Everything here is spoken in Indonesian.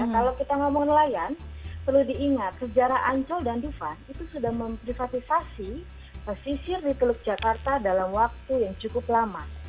kalau kita ngomong nelayan perlu diingat sejarah ancol dan dufan itu sudah memprivatisasi pesisir di teluk jakarta dalam waktu yang cukup lama